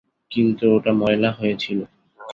কিন্তু ওটা ময়লা হয়ে ছিল।